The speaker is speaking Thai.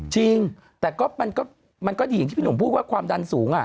จริงแต่ก็มันก็ดีอย่างที่พี่หนุ่มพูดว่าความดันสูง